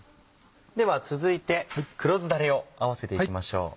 では続いて黒酢だれを合わせていきましょう。